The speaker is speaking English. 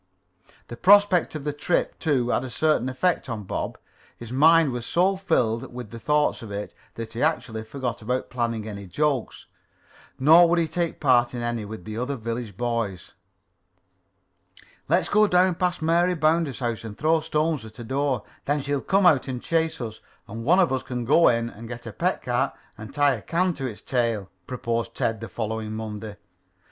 The prospect of the trip, too, had a certain effect on Bob. His mind was so filled with the thought of it, that he actually forgot about planning any jokes. Nor would he take part in any with the other village boys. "Let's go down past old Mary Bounder's house and throw stones at the door. Then she'll come out and chase us and one of us can go in and get her pet cat and tie a can to its tail," proposed Ted the following Monday.